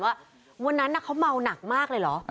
วันนั้นอะเค้าเม้านากมากเลยหรอ